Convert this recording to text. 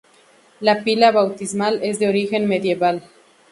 La pila bautismal es de origen medieval.